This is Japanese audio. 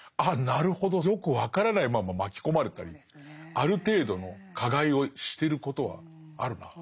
なるほどよく分からないまま巻き込まれたりある程度の加害をしてることはあるなって。